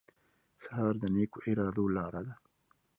سهار د نیکو ارادو لاره ده.